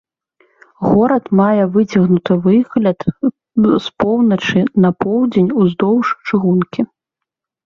Горад мае выцягнуты выгляд з поўначы на поўдзень уздоўж чыгункі.